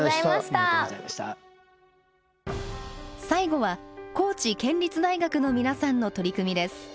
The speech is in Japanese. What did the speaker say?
最後は高知県立大学の皆さんの取り組みです。